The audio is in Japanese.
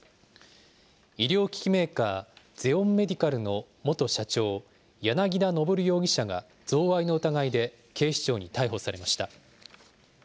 医療機器メーカー、ゼオンメディカルの元社長、柳田昇容疑者が贈賄の疑いで警視庁に逮捕されました。